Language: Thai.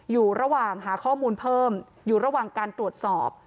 อยู่ระหว่างหาข้อมูลเพิ่มอยู่ระหว่างการตรวจสอบ